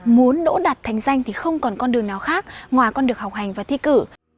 muốn đỗ đặt thành danh thì không còn con đường nào khác ngoài con đường học hành và thi cử